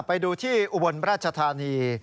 ไปดูที่อุบลราชธานี